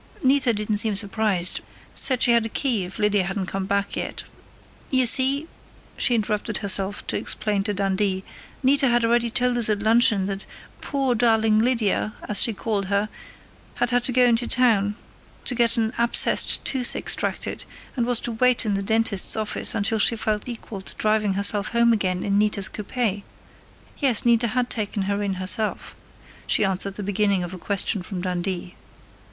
"Nita didn't seem surprised; said she had a key, if Lydia hadn't come back yet.... You see," she interrupted herself to explain to Dundee, "Nita had already told us at luncheon that 'poor, darling Lydia,' as she called her, had had to go in to town to get an abscessed tooth extracted, and was to wait in the dentist's office until she felt equal to driving herself home again in Nita's coupe.... Yes, Nita had taken her in herself," she answered the beginning of a question from Dundee.